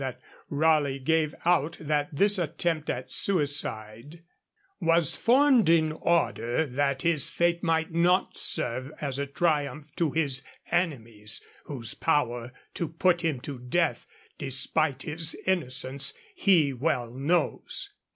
that Raleigh gave out that this attempt at suicide 'was formed in order that his fate might not serve as a triumph to his enemies, whose power to put him to death, despite his innocence, he well knows.'